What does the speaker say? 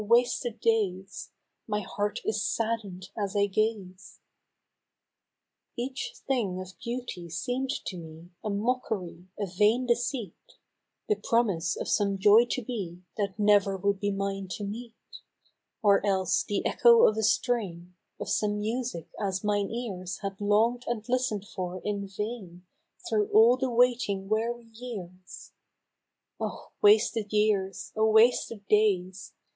wasted days ! My heart is sadden'd as I gaze !" Each thing of beauty seem'd to me A mockery, a vain deceit, The promise of some joy to be That never would be mine to meet, Or else the echo of a strain Of some such music as mine ears Had long'd and listen'd for in vain Through all the waiting weary years —;" Oh ! wasted years ! oh ! wasted days